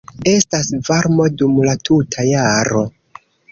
Estas varmo dum la tuta jaro.